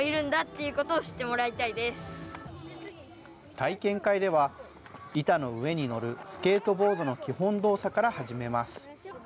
体験会では、板の上に乗るスケートボードの基本動作から始めます。